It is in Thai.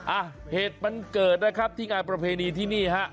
อ่ะเหตุมันเกิดนะครับที่งานประเพณีที่นี่ฮะ